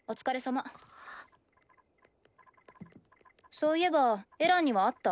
そういえばエランには会った？